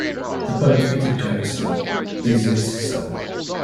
The poet Peter Davison is his son.